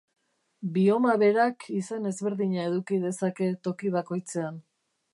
Bioma berak izen ezberdina eduki dezake toki bakoitzean.